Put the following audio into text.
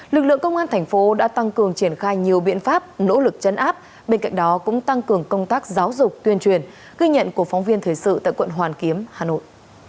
lực lượng công an thành phố đã tăng cường triển khai nhiều biện pháp nỗ lực chấn áp bên cạnh đó cũng tăng cường công tác giáo dục tuyên truyền ghi nhận của phóng viên thời sự tại quận hoàn kiếm hà nội